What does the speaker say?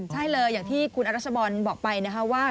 ใช่เลยอย่างที่คุณอรัชบอลบอกไปนะคะว่า